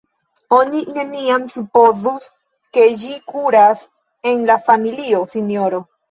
Oni neniam supozus, ke ĝi kuras en la familio, sinjoro.